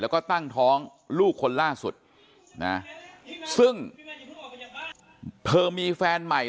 แล้วก็ตั้งท้องลูกคนล่าสุดนะซึ่งเธอมีแฟนใหม่